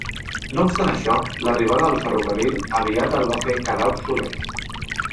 No obstant això, l'arribada del ferrocarril aviat el va fer quedar obsolet.